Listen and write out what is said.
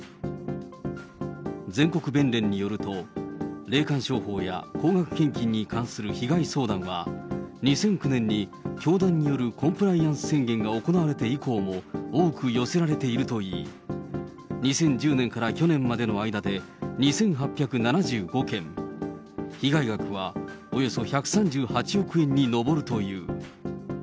全国弁連によると、霊感商法や高額献金に関する被害相談は、２００９年に教団によるコンプライアンス宣言が行われて以降も、多く寄せられているといい、２０１０年から去年までの間で２８７５件、被害額はおよそ１３８億円に上るという。